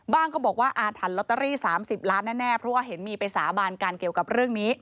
ก็บอกว่าอาถรรพ์ลอตเตอรี่๓๐ล้านแน่เพราะว่าเห็นมีไปสาบานกันเกี่ยวกับเรื่องนี้